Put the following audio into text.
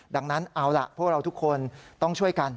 ดังนั้นเอาล่ะพวกเราทุกคนต้องช่วยกัน